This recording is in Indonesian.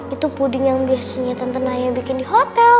itu puding yang biasanya tante nanya bikin di hotel